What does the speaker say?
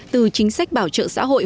từ chính sách bảo trợ xã hội